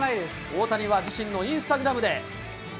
大谷は自身のインスタグラムで。